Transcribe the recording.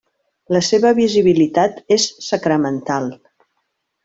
La seva visibilitat és sacramental.